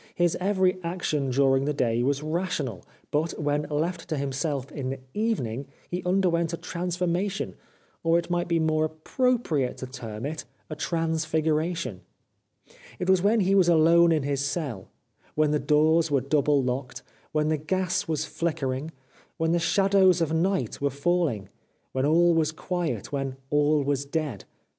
His every action during the day was rational, but, when left to himself in the evening, he underwent a transformation, or, it might be more appropriate to term it, a transfiguration. It was when he was alone in his cell, when the doors were double locked, when the gas was flickering, w^hen the shadows of night were fall ing, when all was quiet, when all was dead.